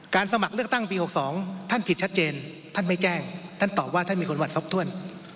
สมัครเลือกตั้งปี๖๒ท่านผิดชัดเจนท่านไม่แจ้งท่านตอบว่าท่านมีคนหัดครบถ้วน